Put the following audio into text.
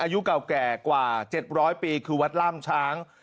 อายุเก่าแก่กว่าเจ็ดร้อยปีคือวัดล่ามช้าง